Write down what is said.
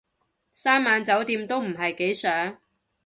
三晚酒店都唔係幾想